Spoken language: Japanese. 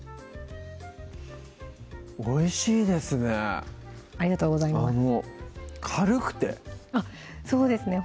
おいしいですねありがとうございます軽くてそうですね